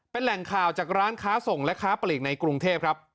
เป็นแหล่งข่าวจากร้านค้าส่งและค้าปลีกในกรุงเทพครับ